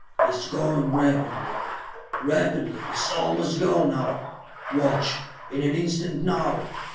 It is going rapidly ... rapidly ... it is almost gone now! Watch ... In an instant now